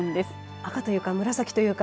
赤というか紫というか。